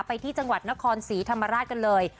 ไปที่จังหวัดนครศรีธรรมราชกันเลย